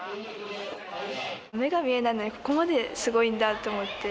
目が見えないのにここまですごいんだと思って。